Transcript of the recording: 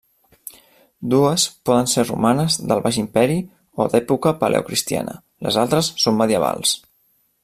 Dues poden ser romanes del Baix Imperi o d'època paleocristiana; les altres són medievals.